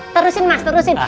terusin mas terusin